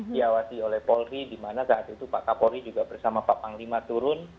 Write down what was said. diawasi oleh polri di mana saat itu pak kapolri juga bersama pak panglima turun